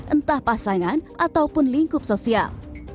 entah pasangan ataupun lingkup sosial